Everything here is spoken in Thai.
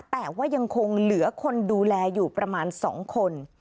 แต่ว่ายังคงเหลือคนดูแลอยู่ประมาณ๒คน